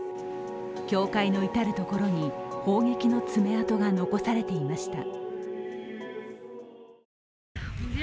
教会の至るところに砲撃の爪痕が残されていました。